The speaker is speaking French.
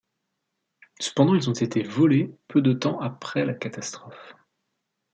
Cependant, ils ont été volés peu de temps après la catastrophe.